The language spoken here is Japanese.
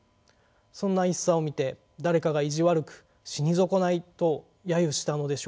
そんな一茶を見て誰かが意地悪く「死に損ない」とやゆしたのでしょう。